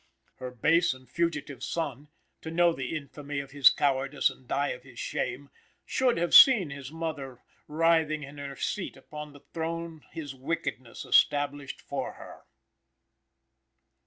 Her base and fugitive son, to know the infamy of his cowardice and die of his shame, should have seen his mother writhing in her seat upon the throne his wickedness established for her.